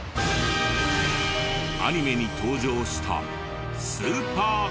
アニメに登場したスーパーカー。